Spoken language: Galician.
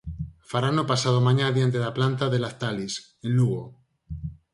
Farano pasado mañá diante da planta de Lactalis, en Lugo.